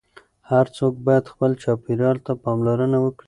هر څوک باید خپل چاپیریال ته پاملرنه وکړي.